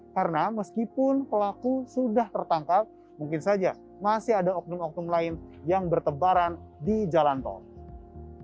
karena meskipun pelaku sudah tertangkap mungkin saja masih ada oknum oknum lain yang bertebaran di jalan tol